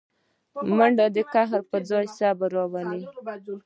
منډه د قهر پر ځای صبر راولي